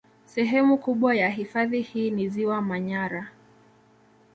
Sehemu kubwa ya hifadhi hii ni ziwa Manyara